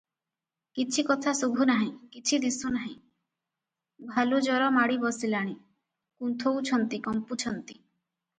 କିଛି କଥା ଶୁଭୁ ନାହିଁ; କିଛି ଦିଶୁ ନାହିଁ, ଭାଲୁଜର ମାଡ଼ି ବସିଲାଣି, କୁନ୍ଥୋଉଛନ୍ତି, କମ୍ପୁଛନ୍ତି ।